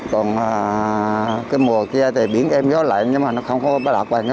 còn cái mùa này là đánh bết nó đạt mình cũng phải tranh thủ mình đi đánh bết rồi đó anh